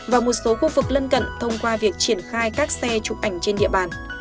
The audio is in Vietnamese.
và một số khu vực lân cận thông qua việc triển khai các xe chụp ảnh trên địa bàn